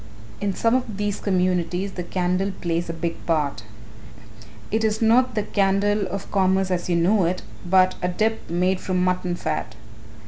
"In some of these communities the candle plays a big part. It is not the candle of commerce as you know it, but a dip made from mutton fat.